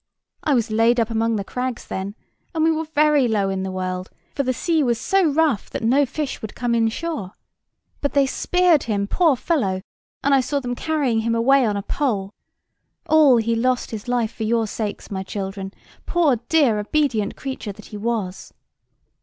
I was laid up among the crags then, and we were very low in the world, for the sea was so rough that no fish would come in shore. But they speared him, poor fellow, and I saw them carrying him away upon a pole. All, he lost his life for your sakes, my children, poor dear obedient creature that he was."